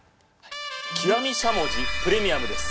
極しゃもじプレミアムです。